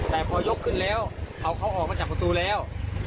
แต่พอยกขึ้นแล้วเอาเขาออกมาจากประตูแล้ว